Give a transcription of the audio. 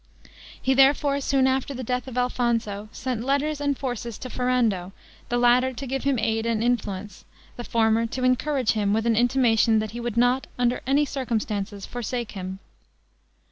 He, therefore, soon after the death of Alfonso, sent letters and forces to Ferrando; the latter to give him aid and influence, the former to encourage him with an intimation that he would not, under any circumstances, forsake him.